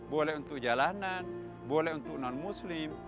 boleh untuk jalanan boleh untuk non muslim